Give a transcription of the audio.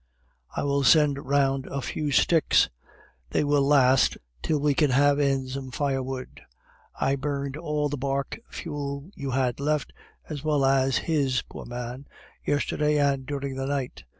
I will send round a few sticks; they will last till we can have in some firewood. I burned all the bark fuel you had left, as well as his, poor man, yesterday and during the night.